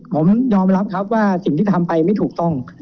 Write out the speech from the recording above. ผมยอมรับครับว่าสิ่งที่ทำไปไม่ถูกต้อง